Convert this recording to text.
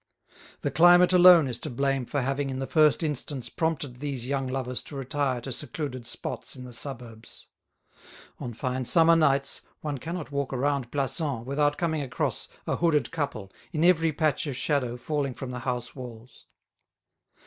The climate alone is to blame for having in the first instance prompted these young lovers to retire to secluded spots in the suburbs. On fine summer nights one cannot walk round Plassans without coming across a hooded couple in every patch of shadow falling from the house walls.